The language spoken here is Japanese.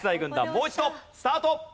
もう一度スタート！